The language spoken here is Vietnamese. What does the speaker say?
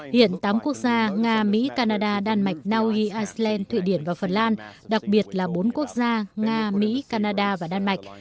hiện tám quốc gia nga mỹ canada đan mạch naui iceland thụy điển và phần lan đặc biệt là bốn quốc gia nga mỹ canada và đan mạch